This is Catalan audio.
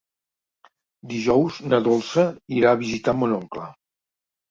Dijous na Dolça irà a visitar mon oncle.